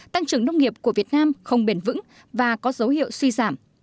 tăng trưởng nông nghiệp của việt nam không bền vững và có dấu hiệu suy giảm